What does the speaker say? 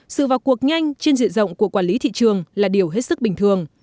sự vào cuộc nhanh trên diện rộng của quản lý thị trường là điều hết sức bình thường